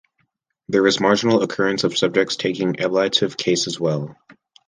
There is marginal occurrence of subjects taking ablative case as well.